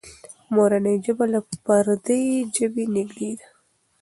مورنۍ ژبه له پردۍ ژبې نږدې ده.